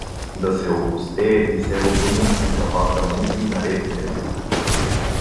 — Да се опустее и селото му, и главата му, и наредбите му!